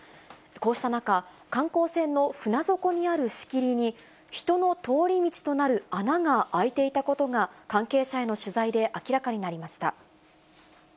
こうした中、観光船の船底にある仕切りに、人の通り道となる穴が開いていたことが、関係者への取材で明らかになりました。